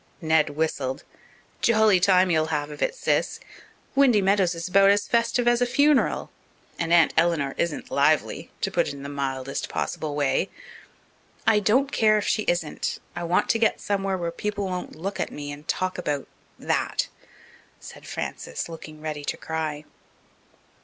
Ned whistled. "Jolly time you'll have of it, Sis. Windy Meadows is about as festive as a funeral. And Aunt Eleanor isn't lively, to put it in the mildest possible way." "I don't care if she isn't. I want to get somewhere where people won't look at me and talk about that," said Frances, looking ready to cry.